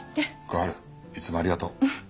小春いつもありがとう。